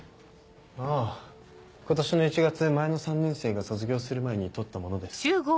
あぁ今年の１月前の３年生が卒業する前に撮ったものです。